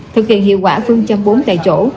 thực hiện hiệu quả phương châm bốn tại chỗ